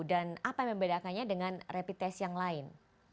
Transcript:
dan apa yang membedakannya dengan rapid test yang lain